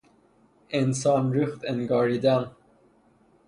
انسان ریخت انگاریدن